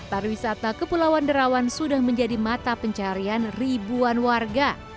pariwisata kepulauan derawan sudah menjadi mata pencarian ribuan warga